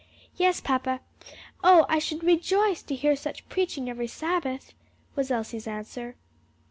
"Yes, papa. Oh, I should rejoice to hear such preaching every Sabbath!" was Elsie's answer.